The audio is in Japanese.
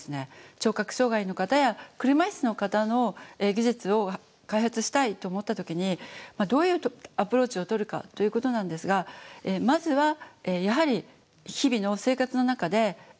聴覚障害の方や車椅子の方の技術を開発したいと思った時にどういうアプローチをとるかということなんですがまずはやはり日々の生活の中でどういうことが困っているのか。